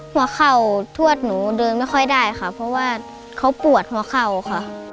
หัวเข่าทวดหนูเดินไม่ค่อยได้ค่ะเพราะว่าเขาปวดหัวเข่าค่ะ